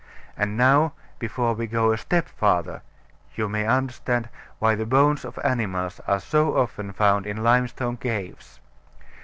And now, before we go a step farther, you may understand, why the bones of animals are so often found in limestone caves.